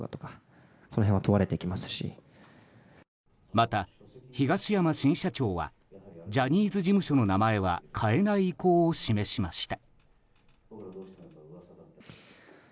また、東山新社長はジャニーズ事務所の名前は変えない意向を示しました。